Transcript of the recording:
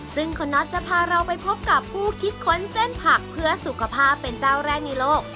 ซึ่งคุณน็อตจะพาเราไปพบกับผู้คิดค้นเส้นผักเพื่อสุขภาพเป็นเจ้าแรกในโลก